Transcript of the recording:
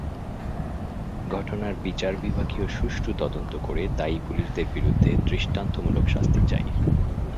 ঘটনার বিচার বিভাগীয় সুষ্ঠু তদন্ত করে দায়ী পুলিশদের বিরুদ্ধে দৃষ্টান্তমূলক শাস্তি চাই।